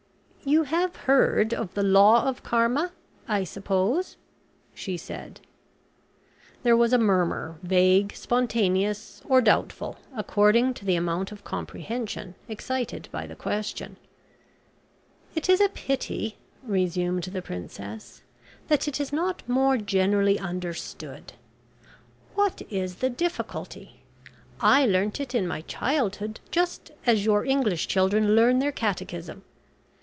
"You have heard of the law of Karma, I suppose?" she said. There was a murmur, vague, spontaneous, or doubtful, according to the amount of comprehension excited by the question. "It is a pity," resumed the Princess, "that it is not more generally understood. What is the difficulty? I learnt it in my childhood just as your English children learn their catechism.